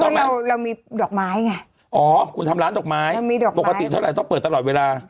เราเรามีดอกไม้ไงอ๋อคุณทำร้านดอกไม้ปกติเท่าไหร่ต้องเปิดตลอดเวลา